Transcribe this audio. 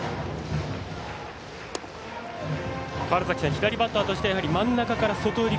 左バッターとしてやはり真ん中から外寄り